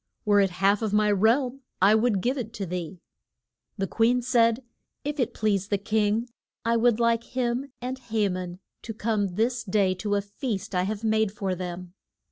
Were it half of my realm I would give it to thee. The queen said, If it please the king, I would like him and Ha man to come this day to a feast I have made for them.